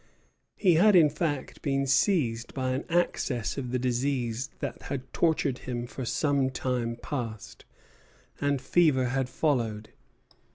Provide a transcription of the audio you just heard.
He had in fact been seized by an access of the disease that had tortured him for some time past; and fever had followed.